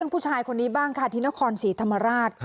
ผู้ชายคนนี้บ้างค่ะที่นครศรีธรรมราช